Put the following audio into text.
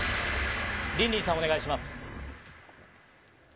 リンリンさん、お願いします。